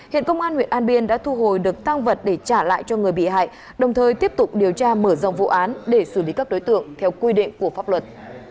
hiện công an huyện an biên đã thu hồi được tăng vật để trả lại cho người bị hại đồng thời tiếp tục điều tra mở rộng vụ án để xử lý các đối tượng theo quy định của pháp luật